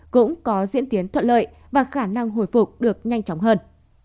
cũng có diễn tiến thuận lợi và khả năng hồi phục được nhanh chóng hơn